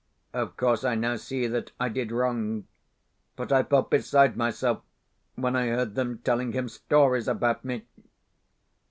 Of course I now see that I did wrong, but I felt beside myself when I heard them telling him stories about me.